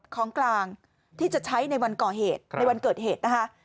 ของกลางที่จะใช้ในวันเกิดเหตุนะคะ